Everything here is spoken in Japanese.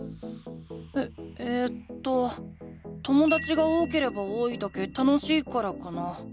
ええとともだちが多ければ多いだけ楽しいからかな。